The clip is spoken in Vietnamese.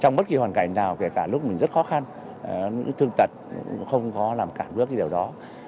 trong bất kỳ hoàn cảnh nào kể cả lúc mình rất khó khăn thương tật không có làm cả bước gì đó